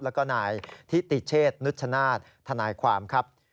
แล้วก็นายทิติเชษนุชชนาธิ์ทนายความครับ